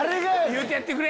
⁉言うてやってくれ！